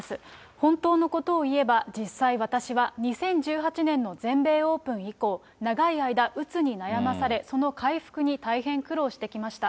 本当のことを言えば、実際、私は２０１８年の全米オープン以降、長い間、うつに悩まされ、その回復に大変苦労してきました。